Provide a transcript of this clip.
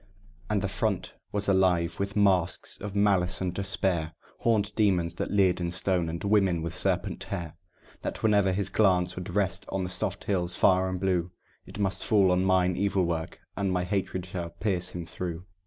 And the front was alive with masks of malice and of despair; Horned demons that leered in stone, and women with serpent hair; That whenever his glance would rest on the soft hills far and blue, It must fall on mine evil work, and my hatred should pierce him through.